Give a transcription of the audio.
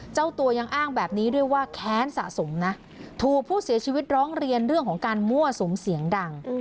เจ้าตัวยังอ้างแบบนี้ด้วยว่าแค้นสะสมนะถูกผู้เสียชีวิตร้องเรียนเรื่องของการมั่วสุมเสียงดัง